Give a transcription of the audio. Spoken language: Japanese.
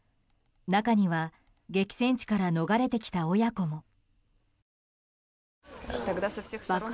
中には激戦地から逃れてきた親子も。